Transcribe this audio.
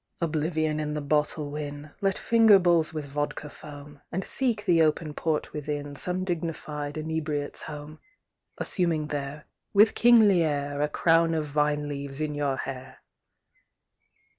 Oblivion in the bottle win, Let finger bowls with vodka foam, And seek the Open Port within Some dignified Inebriates' Home; Assuming there, with kingly air, A crown of vine leaves in your hair!